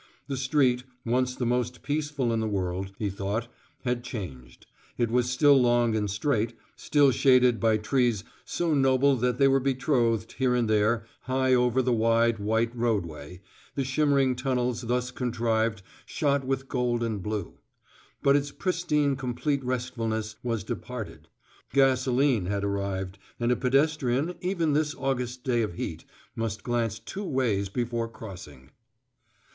The street, once the most peaceful in the world, he thought, had changed. It was still long and straight, still shaded by trees so noble that they were betrothed, here and there, high over the wide white roadway, the shimmering tunnels thus contrived shot with gold and blue; but its pristine complete restfulness was departed: gasoline had arrived, and a pedestrian, even this August day of heat, must glance two ways before crossing.